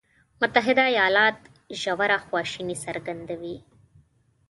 متحده ایالات ژوره خواشیني څرګندوي.